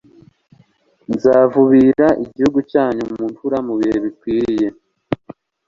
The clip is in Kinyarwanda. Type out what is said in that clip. nzavubira igihugu cyanyu imvura mu bihe bikwiriye